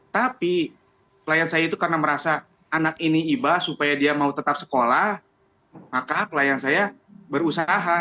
tapi klien saya itu karena merasa anak ini ibah supaya dia mau tetap sekolah maka klien saya berusaha